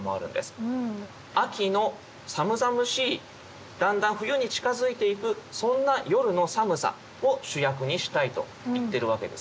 秋の寒々しいだんだん冬に近づいていくそんな夜の寒さを主役にしたいと言ってるわけですね。